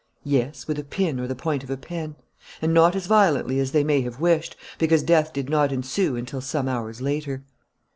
"Yes, with a pin or the point of a pen; and not as violently as they may have wished, because death did not ensue until some hours later."